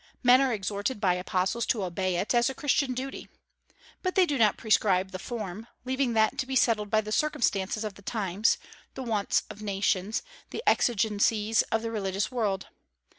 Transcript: Men are exhorted by apostles to obey it, as a Christian duty. But they do not prescribe the form, leaving that to be settled by the circumstances of the times, the wants of nations, the exigencies of the religious world.